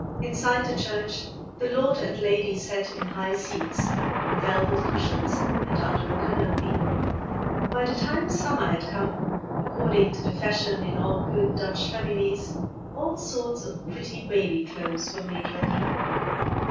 Inside the church, the lord and lady sat, in high seats, on velvet cushions and under a canopy. By the time summer had come, according to the fashion in all good Dutch families, all sorts of pretty baby clothes were made ready.